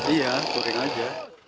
iya touring aja